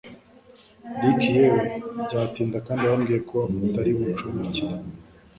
Ricky yewe byatinda kandi wambwiye ko utari buncumbikire